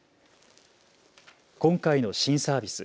今回の新サービス。